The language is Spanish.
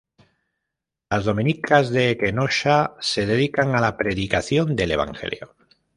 Las dominicas de Kenosha se dedican a la predicación del Evangelio.